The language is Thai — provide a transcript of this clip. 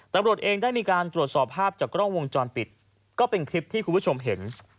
ตำรวจเองได้มีการตรวจสอบภาพจากกล้องวงจรปิดก็เป็นคลิปที่คุณผู้ชมเห็น